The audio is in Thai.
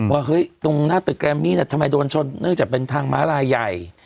ว่าเฮ้ยตรงหน้าตึกแรมมี่เนี่ยทำไมโดนชนเนื่องจากเป็นทางม้าลายใหญ่